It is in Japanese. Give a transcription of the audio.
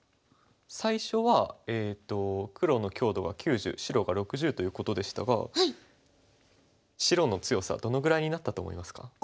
最初は黒の強度が９０白が６０ということでしたが白の強さはどのぐらいになったと思いますか？